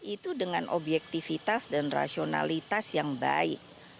itu dengan objektivitas dan rasionalitas yang baik